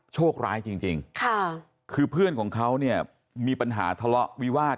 โชคร้ายจริงค่ะคือเพื่อนของเขาเนี่ยมีปัญหาทะเลาะวิวาส